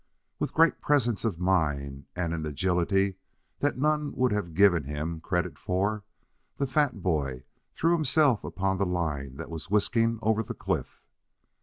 With great presence of mind, and an agility that none would have given him credit for, the fat boy threw himself upon the line that was whisking over the cliff.